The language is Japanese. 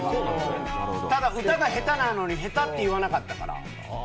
ただ、歌が下手なのに下手と言わなかったから。